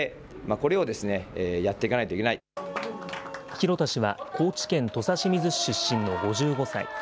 広田氏は高知県土佐清水市出身の５５歳。